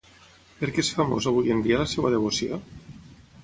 Per què és famós avui en dia la seva devoció?